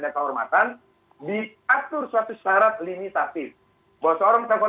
karena di tradisi kita orang timur